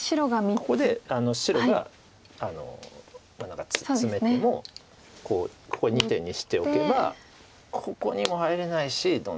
ここで白が何かツメてもこうここ２手にしておけばここにも入れないしドンで。